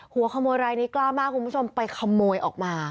หัวขโมยรายนี้กล้ามากคุณผู้ชมไปขโมยออกมา